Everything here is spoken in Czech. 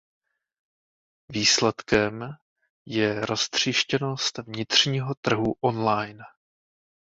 Výsledkem je roztříštěnost vnitřního trhu online.